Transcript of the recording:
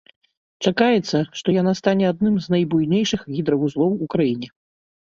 Чакаецца, што яна стане адным з найбуйнейшых гідравузлоў у краіне.